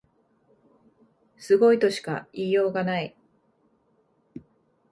すごいとしか言いようがない